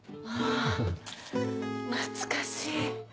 あ懐かしい。